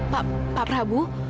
pak pak prabu